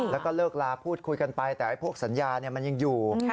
แล้วก็เลิกลาพูดคุยกันไปแต่พวกสัญญามันยังอยู่